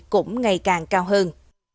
cũng ngày càng cao hơn